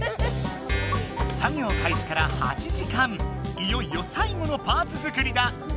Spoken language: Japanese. いよいよ最後のパーツ作りだ。